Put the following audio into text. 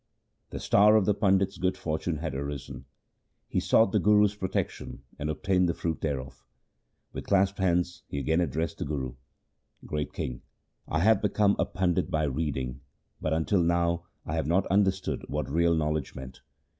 The star of the pandit's good fortune had arisen ; he sought the Guru's protection and obtained the fruit thereof. With clasped hands he again addressed the Guru :' Great king, I have become a pandit by reading, but until now I have not understood what real know ledge meant.